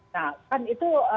nah kan itu